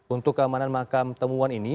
untuk keamanan makam temuan ini